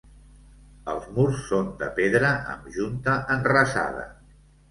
Els murs són de pedra amb junta enrasada.